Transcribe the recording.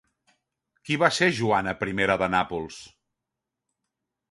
Qui va ser Joana I Nàpols?